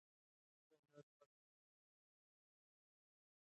اې الله ! ستا لپاره حمدونه دي ته د آسمانونو، ځمکي